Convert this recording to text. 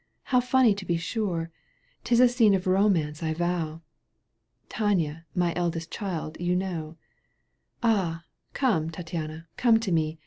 How funny, to be sure ! 'Tis a scene of romance, I vow 1" " Tania, my eldest child, you know *'— V " Ah ! come, Tattiana, come to me